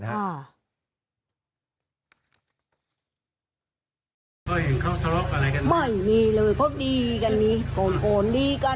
ทำได้ทุกอย่างมีอันนี้ซักป้ารีป้ามีอันตราตำ